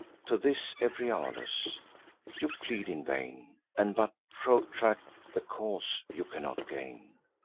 To this, Euryalus: "You plead in vain, And but protract the cause you cannot gain.